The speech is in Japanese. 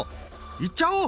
言っちゃおう！